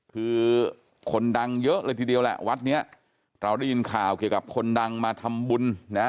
คือคนดังเยอะเลยทีเดียวแหละวัดเนี้ยเราได้ยินข่าวเกี่ยวกับคนดังมาทำบุญนะ